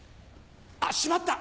あっしまった！